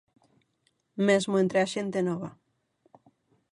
Mesmo entre a xente nova.